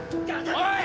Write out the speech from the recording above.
おい！